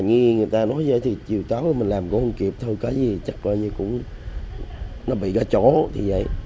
nghe người ta nói vậy thì chiều tối mình làm cũng không kịp thôi cái gì chắc coi như cũng nó bị ở chỗ thì vậy